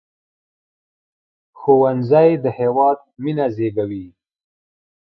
ښوونځی د هیواد مينه زیږوي